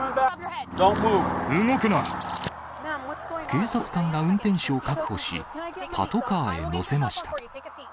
警察官が運転手を確保し、パトカーへ乗せました。